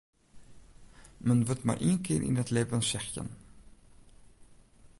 Men wurdt mar ien kear yn it libben sechstjin.